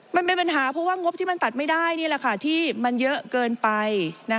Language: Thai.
มันเป็นปัญหาเพราะว่างบที่มันตัดไม่ได้นี่แหละค่ะที่มันเยอะเกินไป